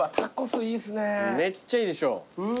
めっちゃいいでしょ。